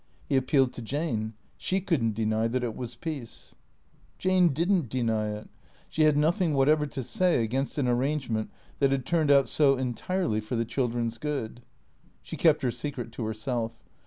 He appealed to Jane. She could n't deny that it was peace. Jane did n't deny it. She had nothing whatever to say against an arrangement that had turned out so entirely for the children's good. She kept her secret to herself.